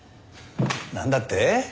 なんだって！？